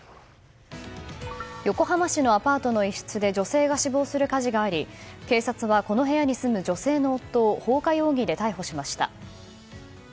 横浜市のアパートの一室で女性が死亡する火事があり警察は、この部屋に住む女性の夫を放火容疑で逮捕しました。